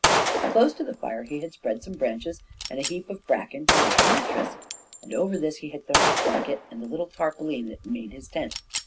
Close to the fire he had spread some branches and a heap of bracken to make a mattress, and over this he had thrown his blanket and the little tarpaulin that made his tent.